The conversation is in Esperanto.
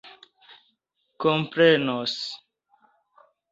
komprenos